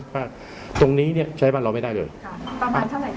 ผ้าตรงนี้เนี้ยใช้บ้านเราไม่ได้เลยค่ะประมาณเท่าไหร่ค่ะกี่ชิ้น